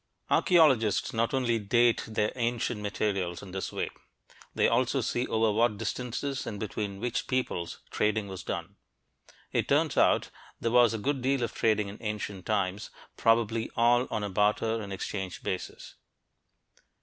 Archeologists not only "date" their ancient materials in this way; they also see over what distances and between which peoples trading was done. It turns out that there was a good deal of trading in ancient times, probably all on a barter and exchange basis.